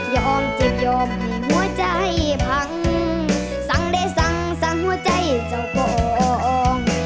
ยอมจิบยอมให้หัวใจพังสั่งได้สั่งสั่งหัวใจเจ้าก็อ้อง